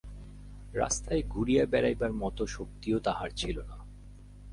রাস্তায় ঘুরিয়া বেড়াইবার মতো শক্তিও তাহার ছিল না।